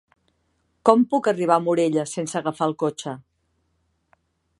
Com puc arribar a Morella sense agafar el cotxe?